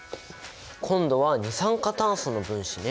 今度は二酸化炭素の分子ね。